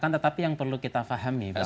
tetapi yang perlu kita pahami bahwa